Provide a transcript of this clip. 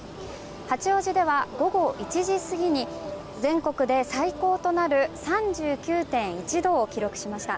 八王子では午後１時過ぎに全国で最高となる３９．１度を記録しました。